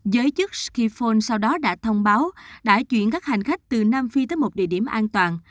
giới chức skiphone sau đó đã thông báo đã chuyển các hành khách từ nam phi tới một địa điểm an toàn